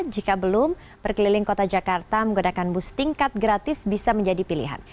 jika belum berkeliling kota jakarta menggunakan bus tingkat gratis bisa menjadi pilihan